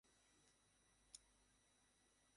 আমার একজন ভাই এখানে শহীদ হন।